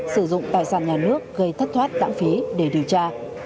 sử dụng tài sản nhà nước gây thất thoát lãng phí để điều tra